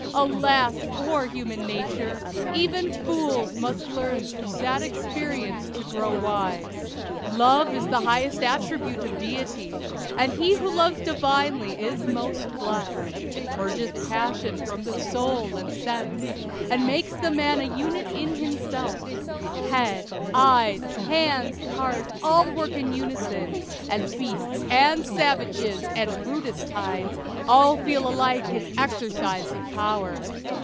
Alas, poor Human Nature! Even fools Must learn through sad experience to grow wise. Love is the highest attribute of Deity; And he who loves divinely is most blest. It purgeth passion from the soul and sense, And makes the man a unit in himself; Head, eyes, hands, heart, all work in unison, And beasts, and savages, and rudest hinds, All feel alike its exercise of power.